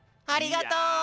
ありがとう！